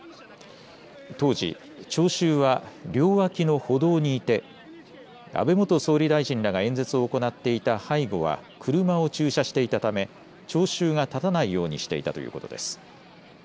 当時、聴衆は両脇の歩道にいて安倍元総理大臣らが演説を行っていた背後は車を駐車していたため聴衆が立たないようにしていたということです。